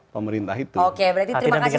pemerintah itu oke berarti terima kasih